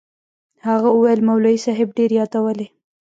هغه وويل مولوي صاحب ډېر يادولې.